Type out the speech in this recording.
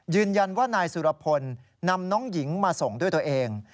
ยืนยันว่านายสุรพลนำน้องหญิงมาส่งด้วยตัวเอง